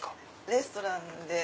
レストランで。